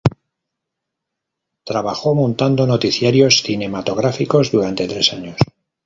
Trabajó montando noticiarios cinematográficos durante tres años.